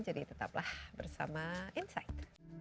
jadi tetaplah bersama insight